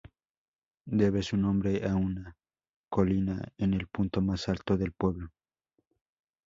Debe su nombre a una colina en el punto más alto del pueblo.